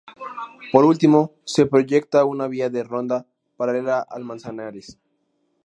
Por último, se proyecta una vía de ronda paralela al Manzanares.